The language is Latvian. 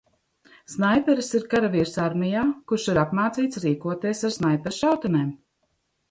Snaiperis ir karavīrs armijā, kurš ir apmācīts rīkoties ar snaiperšautenēm.